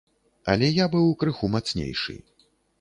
Але я быў крыху мацнейшы.